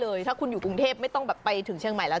ถ้าคุณอยู่กรุงเทพไม่ต้องแบบไปถึงเชียงใหม่แล้ว